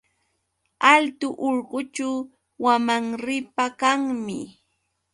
Altu urqućhu wamanripa kanmi.